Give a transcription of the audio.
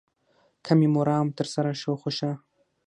که مې مرام تر سره شو خو ښه.